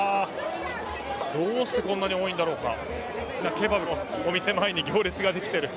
どうしてこんなに多いんだろうか。